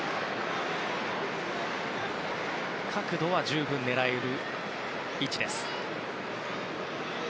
角度は十分狙える位置です。